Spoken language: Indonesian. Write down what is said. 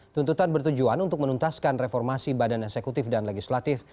tuntutan bertujuan untuk menuntaskan reformasi badan eksekutif dan legislatif